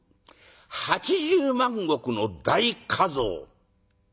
８０万石の大加増。